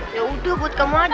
yaudah buat kamu aja